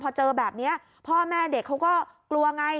พอเจอแบบนี้พ่อแม่เด็กเขาก็กลัวไง